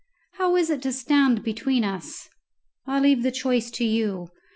"How is it to stand between us? I leave the choice to you.